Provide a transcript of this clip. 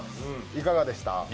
いかがでした？